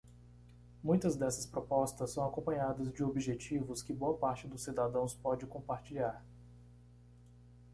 Muitas dessas propostas são acompanhadas de objetivos que boa parte dos cidadãos pode compartilhar.